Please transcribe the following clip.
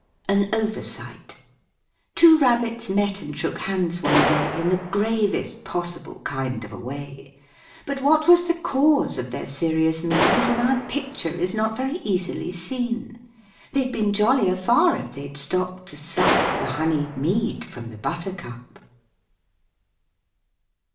AN OVERSIGHT Two Rabbits met and shook hands one day In the gravest possible kind of a way. But what was the cause of their serious mien From our picture is not very easily seen. They'd been jollier far if they'd stopped to sup The honeyed mead from the buttercup.